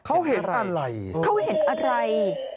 เขาเห็นอะไรเขาเห็นอะไร